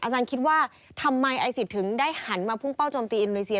อาจารย์คิดว่าทำไมไอซิสถึงได้หันมาพุ่งเป้าโจมตีอินโดนีเซีย